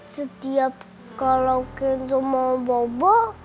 setiap kalau kenzo mau bobo